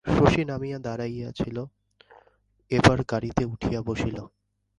শশী নামিয়া দাড়াইয়াছিল, এবার গাড়িতে উঠিয়া বসিল।